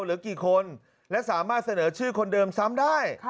เหลือกี่คนและสามารถเสนอชื่อคนเดิมซ้ำได้